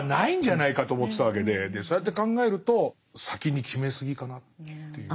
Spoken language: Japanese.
そうやって考えると先に決めすぎかなっていう。